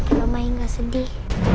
mama gak sedih